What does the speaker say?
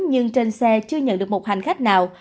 nhưng trên xe chưa nhận được một hành khách nào